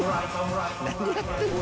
何やってんの？